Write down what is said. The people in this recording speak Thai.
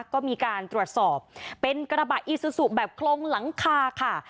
ก็มีการตรวจสอบเป็นกระบะอีซูซูแบบโครงหลังคาค่ะ